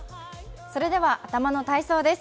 それでは頭の体操です。